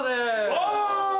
お！